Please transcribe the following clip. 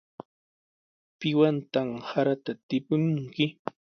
¿Piwantaq sarata tipimunki?